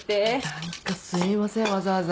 何かすいませんわざわざ。